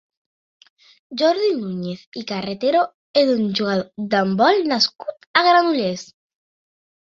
Jordi Núñez i Carretero és un jugador d'handbol nascut a Granollers.